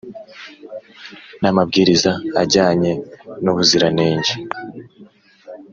n amabwiriza ajyanye n ubuziranenge